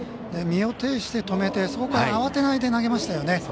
身をていして止めてそこから慌てないで投げましたよね。